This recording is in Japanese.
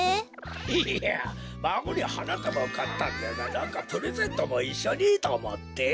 いやまごにはなたばをかったんじゃがなんかプレゼントもいっしょにとおもって。